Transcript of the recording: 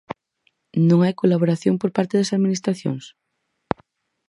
Non hai colaboración por parte das administracións?